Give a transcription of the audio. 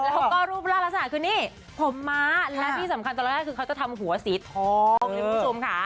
แล้วก็รูปร่างลักษณะคือนี้ผมม้าและที่สำคัญตอนแรกคือเขาจะทำหัวสีทอม